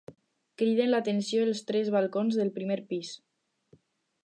Criden l'atenció els tres balcons del primer pis.